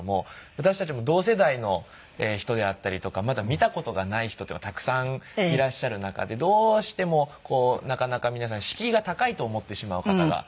私たちも同世代の人であったりとかまだ見た事がない人っていうのがたくさんいらっしゃる中でどうしてもこうなかなか皆さん敷居が高いと思ってしまう方が多いんですね。